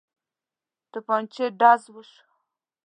توپنچې ډز وشو.